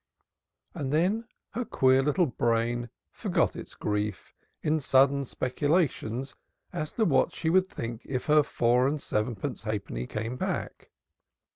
And then her queer little brain forgot its grief in sudden speculations as to what she would think if her four and sevenpence halfpenny came back.